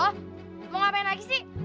oh mau ngapain lagi sih